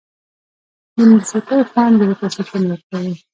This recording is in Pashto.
د موسيقۍ خوند زړه ته سکون ورکوي.